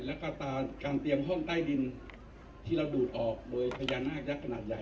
แล้วก็การเตรียมห้องใต้ดินที่เราดูดออกโดยพญานาคยักษ์ขนาดใหญ่